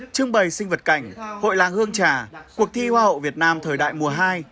trưng bày sinh vật cảnh hội làng hương trà cuộc thi hoa hậu việt nam thời đại mùa hai